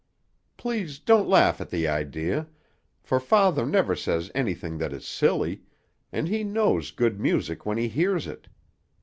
Please don't laugh at the idea, for father never says anything that is silly, and he knows good music when he hears it.